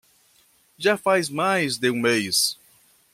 Já faz mais de um mês